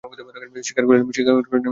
স্বীকার করিলাম, ইহা ব্রহ্ম।